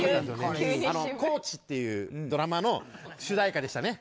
『コーチ』っていうドラマの主題歌でしたね。